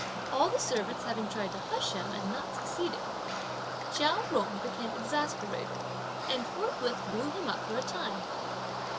All the servants having tried to hush him and not succeeding, Chia Jung became exasperated; and forthwith blew him up for a time.